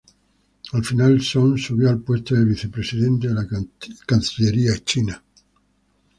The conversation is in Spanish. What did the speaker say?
Al final, Song subió al puesto de vicepresidente de la cancillería china.